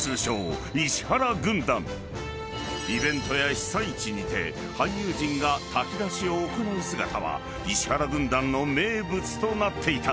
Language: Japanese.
［イベントや被災地にて俳優陣が炊き出しを行う姿は石原軍団の名物となっていた］